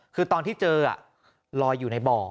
คือตอนที่เจอลอยอยู่ในบ่อ